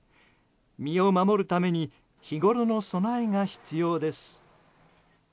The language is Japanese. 身を守るために日ごろの備えが必要です。